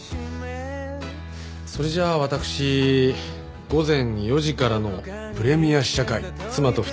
それじゃあ私午前４時からのプレミア試写会妻と２人で行って参ります。